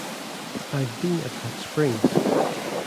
I've been at Hot Springs.